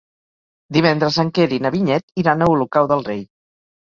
Divendres en Quer i na Vinyet iran a Olocau del Rei.